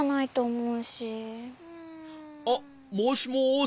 あっもしもし。